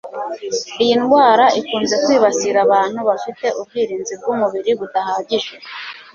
Iyi ndwara ikunze kwibasira abantu bafite ubwirinzi bw'umubiri budahagije